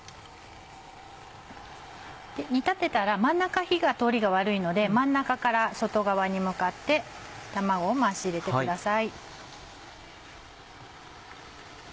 煮立てたら真ん中火が通りが悪いので真ん中から外側に向かって卵を回し入れてください。